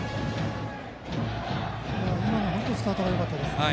今のは本当にスタートがよかったですね。